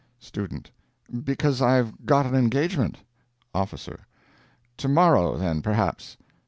STUDENT. "Because I've got an engagement." OFFICER. "Tomorrow, then, perhaps?"